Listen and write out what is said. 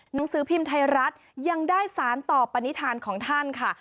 หนังสือพิมพ์ไทยรัฐยังได้สารต่อปนิษฐานของท่านค่ะ